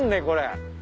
これ。